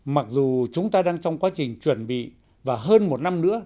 mặc dù chúng ta đang trong quá trình chuẩn bị và hơn một năm nữa